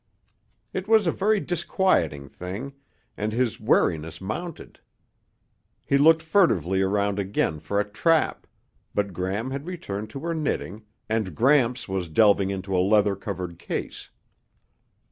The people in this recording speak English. It was a very disquieting thing, and his wariness mounted. He looked furtively around again for a trap, but Gram had returned to her knitting and Gramps was delving into a leather covered case.